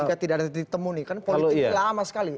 jika tidak ada titik temu nih kan politik lama sekali